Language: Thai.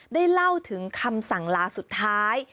ได้เล่าถึงคำสั่งลาสุดท้าย